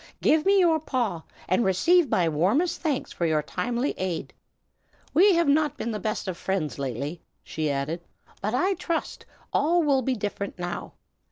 Give me your paw, and receive my warmest thanks for your timely aid. We have not been the best of friends, lately," she added, "but I trust all will be different now.